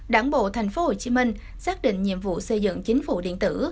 đảng bộ thành phố hồ chí minh xác định nhiệm vụ xây dựng chính phủ điện tử